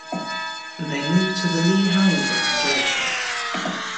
They moved to the Lee Howl ground later.